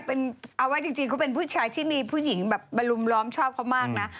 มาสเข้ามาก่อนเขาเป็นผู้ชายที่มีผู้หญิงบรรลุมล้อมชอบเขามากนะ